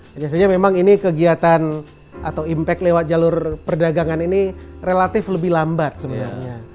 hanya saja memang ini kegiatan atau impact lewat jalur perdagangan ini relatif lebih lambat sebenarnya